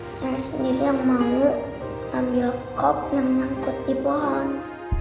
saya sendiri yang mau ambil kop yang nyangkut di pohon